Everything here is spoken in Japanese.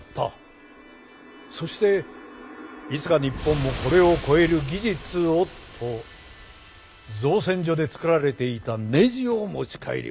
そして「いつか日本もこれを超える技術を」と造船所で作られていたネジを持ち帰りました。